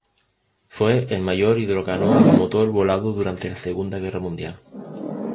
Fue el mayor hidrocanoa bimotor volado durante la Segunda Guerra Mundial.